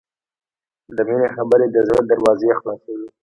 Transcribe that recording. د مینې خبرې د زړه دروازې خلاصوي.